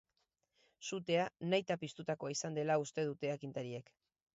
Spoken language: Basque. Sutea nahita piztutakoa izan dela uste dute agintariek.